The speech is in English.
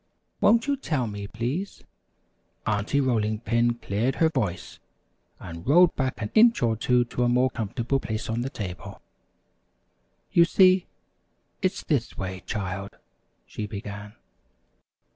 "Won't you tell me, please?" Aunty Rolling Pin cleared her voice, and rolled back an inch or two to a more comfortable place on the table. "You see, it's this way, child," she began.